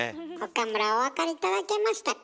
岡村お分かり頂けましたか？